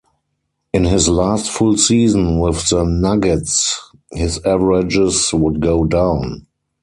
In his last full season with the Nuggets his averages would go down.